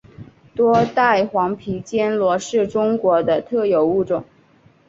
多带黄皮坚螺是中国的特有物种。